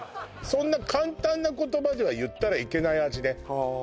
そんな簡単な言葉では言ったらいけない味ね